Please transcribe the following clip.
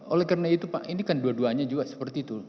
oleh karena itu pak ini kan dua duanya juga seperti itu